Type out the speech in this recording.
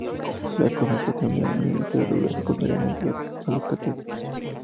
La concentración de aniones se regula secundariamente a los cationes.